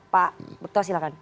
pak bekto silahkan